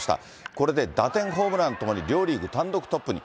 これで打点、ホームランともに両リーグ単独トップに。